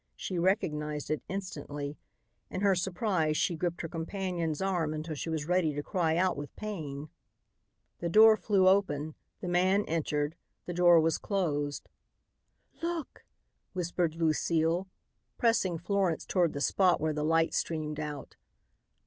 She recognized it instantly. In her surprise she gripped her companion's arm until she was ready to cry out with pain. The door flew open. The man entered. The door was closed. "Look!" whispered Lucile, pressing Florence toward the spot where the light streamed out.